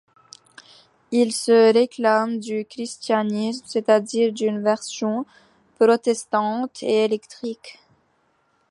Il se réclame du christianisme, c'est-à-dire d'une version protestante et éclectique.